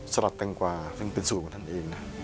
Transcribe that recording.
ลัดแตงกวาซึ่งเป็นสูตรของท่านเองนะ